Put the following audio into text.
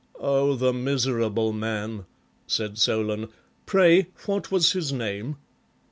"40 the miserable man!"' said Solon; "pray, what was his name?"